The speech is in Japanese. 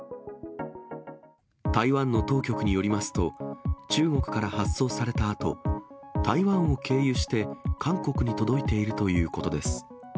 台湾の当局によりますと、中国から発送されたあと、台湾を経由して韓国に届いているということです。